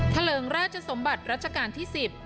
เลิงราชสมบัติรัชกาลที่๑๐